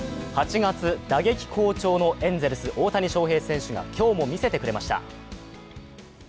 ８月打撃好調のエンゼルス・大谷翔平選手が今日も見せてくれました。